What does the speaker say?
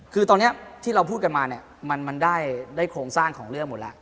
คือตอนนี้ที่เราพูดกันมาเนี่ยมันได้โครงสร้างของเรื่องหมดแล้ว